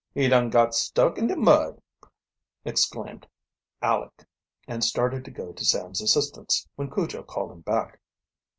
"He dun got stuck in de mud!" exclaimed Aleck, and started to go to Sam's assistance, when Cujo called him back.